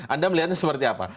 anda melihatnya seperti apa